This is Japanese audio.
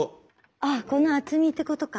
あこの厚みってことか。